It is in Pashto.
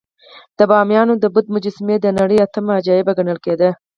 د بامیانو د بودا مجسمې د نړۍ اتم عجایب ګڼل کېدې